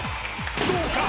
どうか！？